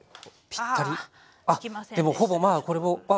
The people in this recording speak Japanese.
ぴったりでもほぼまあこれも。